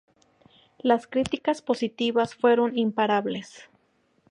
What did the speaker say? Las críticas positivas fueron imparables.